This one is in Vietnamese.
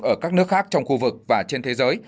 ở các nước khác trong khu vực và trên thế giới